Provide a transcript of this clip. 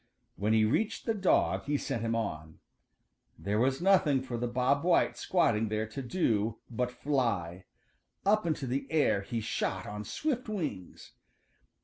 When he reached the dog he sent him on. There was nothing for the Bob White squatting there to do but fly. Up into the air he shot on swift wings.